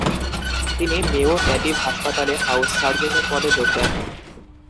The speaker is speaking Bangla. তিনি মেয়ো নেটিভ হাসপাতালে হাউস সার্জেনের পদে যোগ দেন।